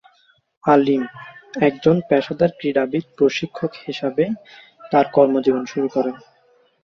আলীম একজন পেশাদার ক্রীড়াবিদ প্রশিক্ষক হিসাবে তার কর্মজীবন শুরু করেন।